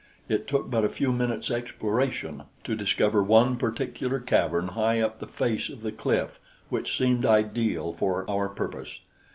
It took but a few minutes' exploration to discover one particular cavern high up the face of the cliff which seemed ideal for our purpose.